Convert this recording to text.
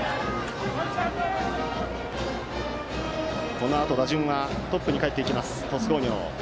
このあと打順はトップにかえります鳥栖工業。